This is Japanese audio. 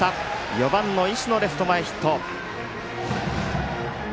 ４番の石野、レフト前ヒット。